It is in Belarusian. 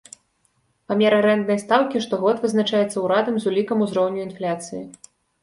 Памер арэнднай стаўкі штогод вызначаецца ўрадам з улікам узроўню інфляцыі.